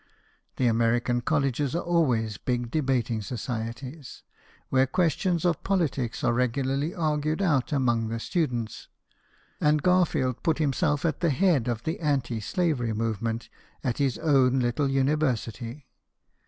The American colleges are always big debating societies, where questions of politics :;/'i regularly argued out among the students ; and Garfield put himself at the head of the anti slavery movement at his own little uni versity.